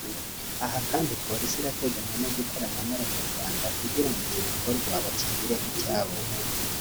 Aha kandi Polisi irateganya no gukorana n’abanyarwanda kugira ngo iki gikorwa bakigire nk’icyabo